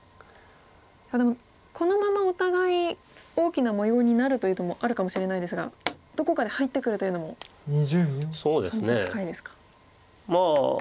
でもこのままお互い大きな模様になるということもあるかもしれないですがどこかで入ってくるというのも可能性高いですか。